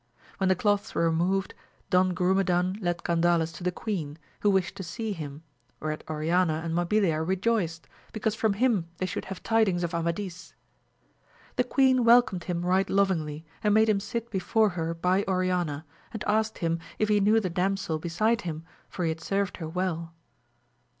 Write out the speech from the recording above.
When the cloths were removed, Don Grumedan led Gandales to the Queen, who wished to see him, whereat Oriana and Mabilia rejoiced, because from him they should have tidings of Amadis. The queen welcomed him right lovingly, and made him sit before her by Oriana, and asked him if he knew the damsel beside him, for he had served her well